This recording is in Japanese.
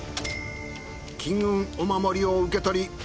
金運お守りを受け取り。